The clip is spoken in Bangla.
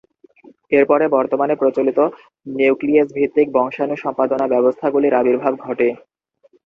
এরপরে বর্তমানে প্রচলিত নিউক্লিয়েজ-ভিত্তিক বংশাণু সম্পাদনা ব্যবস্থাগুলির আবির্ভাব ঘটে।